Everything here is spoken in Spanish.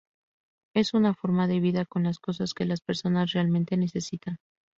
Es una forma de vida con las cosas que las personas realmente necesitan.